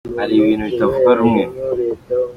Hari ibintu bitavugwaho rumwe.